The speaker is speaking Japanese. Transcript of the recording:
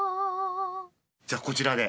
じゃあこちらで。